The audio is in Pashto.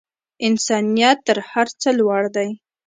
انسانیت تر هر څه لوړ دی.